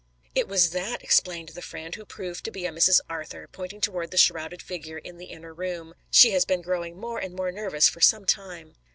"It was that," explained the friend, who proved to be a Mrs. Arthur, pointing toward the shrouded figure in the inner room. "She has been growing more and more nervous for some time."